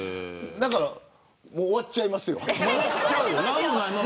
もう終わっちゃいますよ。